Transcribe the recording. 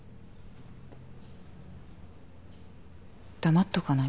黙っとかない？